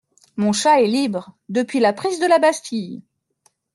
Mon chat est libre… depuis la prise de la Bastille !